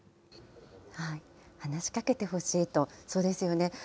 話しかけてほしいと、そうですよね。